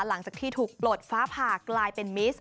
หลังจากที่ถูกปลดฟ้าผ่ากลายเป็นมิสต